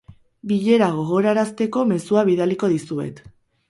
Bilera gogorarazteko mezua bidaliko dizuet.